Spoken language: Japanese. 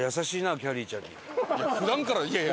普段からいやいや。